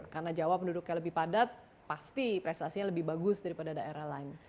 karena jawa penduduknya lebih padat pasti prestasinya lebih bagus daripada daerah lain